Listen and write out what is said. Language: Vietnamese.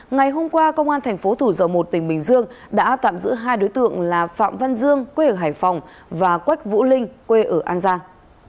ngày hôm qua công an thành phố thủ dầu một tỉnh bình dương đã tạm giữ hai đối tượng là phạm văn dương quê ở hải phòng và quách vũ linh quê ở an giang